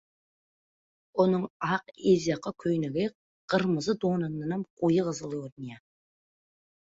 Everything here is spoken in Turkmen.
Onuň ak ezýaka köýnegi gyrmyzy donundanam goýy gyzyl görünýä.